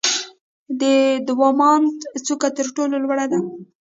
د دماوند څوکه تر ټولو لوړه ده.